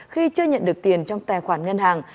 khi chưa nhận được tiền trong tài khoản ngân hàng